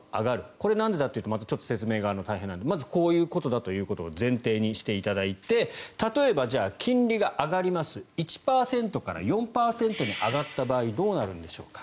これ、なんでだっていうと説明がまた大変なのでまず、こういうことだという前提にしていただいて例えば、じゃあ金利が上がります１％から４％に上がった場合どうなるんでしょうか。